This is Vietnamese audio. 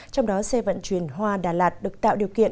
trong đó xe vận chuyển hoa đà lạt được tạo điều kiện